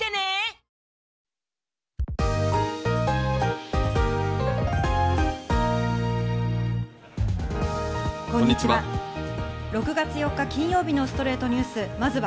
こんにちは。